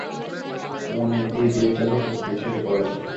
মুনিমজি, বিয়ের জন্য প্রস্তুতি শুরু করেন।